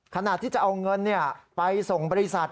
ขณะที่จะเอาเงินไปส่งบริษัท